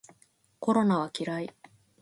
コロナは嫌い